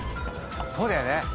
そうだよね。